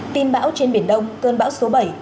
tin bão trên biển đông cơn bão số bảy